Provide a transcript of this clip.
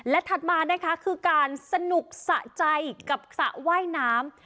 และถัดมานะคะคือการสนุกสะใจกับสระว่ายน้ำ